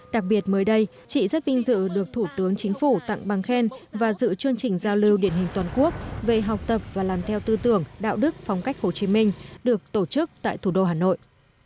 đặc biệt mới đây chị rất vinh dự được thủ tướng chính phủ tặng bằng khen và dự chương trình giao lưu điển hình toàn quốc về học tập và làm theo tư tưởng đạo đức phong cách hồ chí minh được tổ chức tại thủ đô hà nội